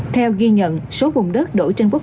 theo ghi nhận số bùng đất đổ trên quốc tế